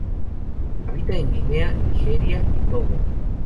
Habita en Guinea, Nigeria y Togo.